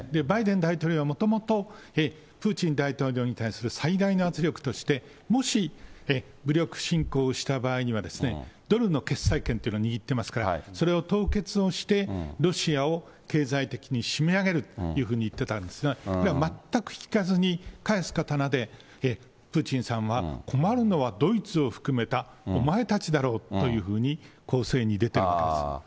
バイデン大統領はもともと、プーチン大統領に対する最大の圧力として、もし武力侵攻した場合には、ドルの決裁権というのを握っていますから、それを凍結をして、ロシアを経済的に締め上げるというふうにいってたんですが、全く聞かずに返す刀で、プーチンさんは困るのはドイツを含めた、お前たちだろうというふうに攻勢に出てるんです。